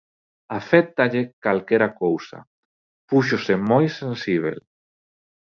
Aféctalle calquera cousa, púxose moi sensíbel.